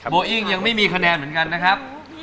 อิ้งยังไม่มีคะแนนเหมือนกันนะครับ